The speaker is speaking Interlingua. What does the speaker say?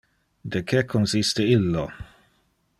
De que consiste illo?